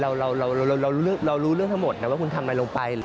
เรารู้เรื่องทั้งหมดนะว่าคุณทำอะไรลงไป